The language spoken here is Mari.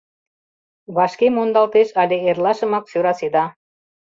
Вашке мондалтеш але эрлашымак сӧраседа.